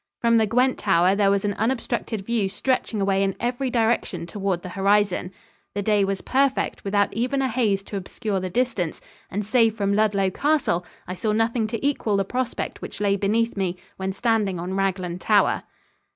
From the Gwent tower there was an unobstructed view stretching away in every direction toward the horizon. The day was perfect, without even a haze to obscure the distance, and save from Ludlow Castle, I saw nothing to equal the prospect which lay beneath me when standing on Raglan Tower.